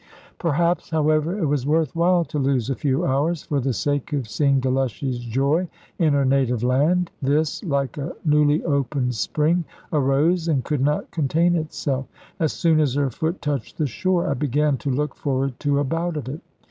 Perhaps, however, it was worth while to lose a few hours for the sake of seeing Delushy's joy in her native land. This, like a newly opened spring, arose, and could not contain itself. As soon as her foot touched the shore, I began to look forward to a bout of it.